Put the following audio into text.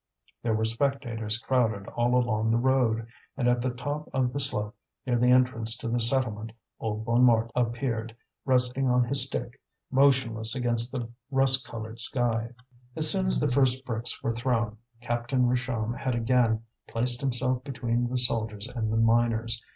There were spectators crowded all along the road. And at the top of the slope near the entrance to the settlement, old Bonnemort appeared, resting on his stick, motionless against the rust coloured sky. As soon as the first bricks were thrown, Captain Richomme had again placed himself between the soldiers and the miners.